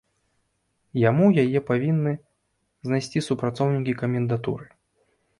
Яму яе павінны знайсці супрацоўнікі камендатуры.